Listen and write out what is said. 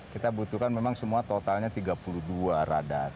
kita butuhkan memang semua totalnya tiga puluh dua radar